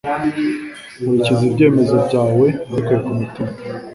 Nkurikiza ibyemezo byawe mbikuye ku mutima